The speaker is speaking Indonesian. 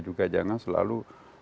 juga jangan selalu